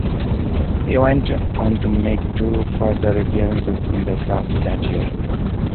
He went on to make two further appearances in the cup that year.